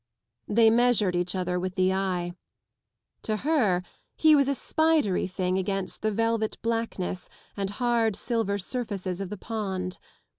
They measured each other with the eye. To her he was a spidery thing against the velvet blackness and hard silver surfaces of the pond.